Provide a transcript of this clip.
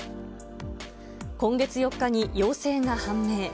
今月４日に陽性が判明。